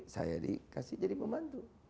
saya dikasih jadi pembantu